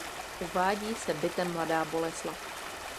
Uvádí se bytem Mladá Boleslav.